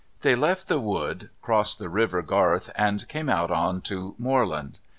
They left the wood, crossed the River Garth, and came out on to moorland.